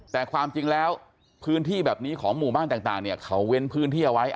แต่ความจริงแล้วพื้นที่แบบนี้ของหมู่บ้านต่างเนี่ยเขาเว้นพื้นที่เอาไว้